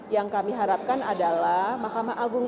yang kami harapkan adalah mahkamah agung